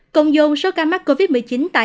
cộng dồn số ca mắc covid một mươi chín tại hàn